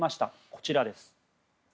こちらです。